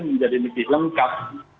menjadi lebih lengkap